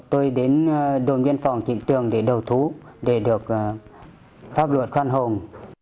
tôi đến đồn biên phòng trịnh tường để đầu thú để được pháp luật khoan hồng